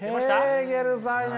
ヘーゲルさんや。